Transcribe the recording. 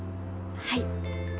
はい。